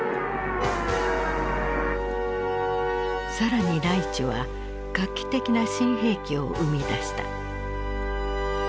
更にライチュは画期的な新兵器を生み出した。